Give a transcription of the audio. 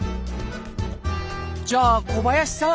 じゃあ小林さん